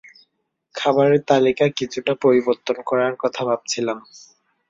খাবারের তালিকা কিছুটা পরিবর্তন করার কথা ভাবছিলাম।